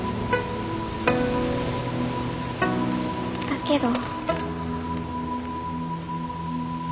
だけど。